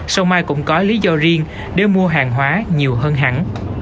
sau mai cũng có lý do riêng để mua hàng hóa nhiều hơn hẳn